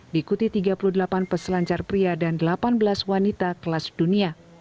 diikuti tiga puluh delapan peselancar pria dan delapan belas wanita kelas dunia